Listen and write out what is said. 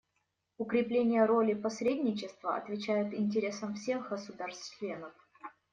Укрепление роли посредничества отвечает интересам всех государств-членов.